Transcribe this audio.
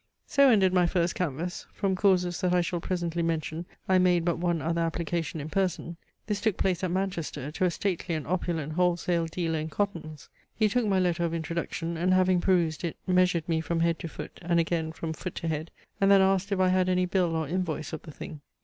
So ended my first canvass: from causes that I shall presently mention, I made but one other application in person. This took place at Manchester to a stately and opulent wholesale dealer in cottons. He took my letter of introduction, and, having perused it, measured me from head to foot and again from foot to head, and then asked if I had any bill or invoice of the thing.